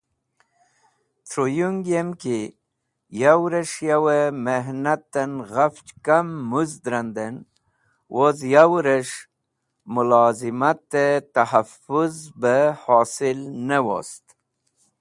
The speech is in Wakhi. Truyung yemki, Yawres̃h Yawey Mehnaten Ghafch Kam Muzd randen woz yawres̃h Mulazimate Tahaffuz be Hosil ne wost.